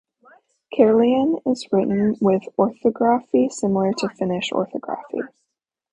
Karelian is written with orthography similar to Finnish orthography.